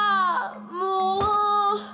もう！